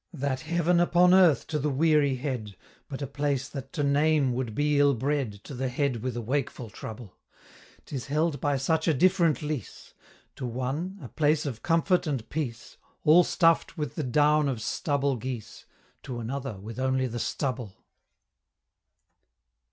That heaven upon earth to the weary head; But a place that to name would be ill bred, To the head with a wakeful trouble 'Tis held by such a different lease! To one, a place of comfort and peace, All stuff'd with the down of stubble geese, To another with only the stubble!